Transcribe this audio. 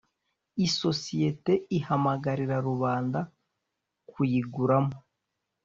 Isosiyete ihamagarira rubanda kuyiguramo